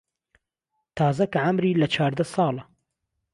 تازه که عەمری له چارده ساڵه